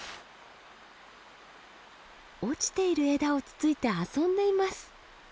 落ちている枝をつついて遊んでいます。